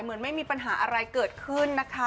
ไม่มีปัญหาอะไรเกิดขึ้นนะคะ